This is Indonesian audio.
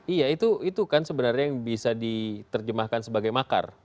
iya itu kan sebenarnya yang bisa diterjemahkan sebagai makar